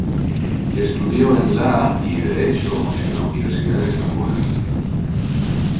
Estudió en la y derecho en la Universidad de Estambul.